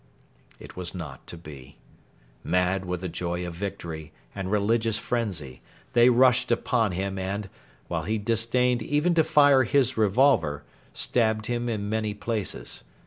It was not to be. Mad with the joy of victory and religious frenzy, they rushed upon him and, while he disdained even to fire his revolver, stabbed him in many places.